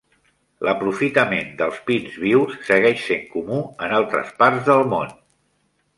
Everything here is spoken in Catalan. L'aprofitament dels pins vius segueix sent comú en altres parts del món.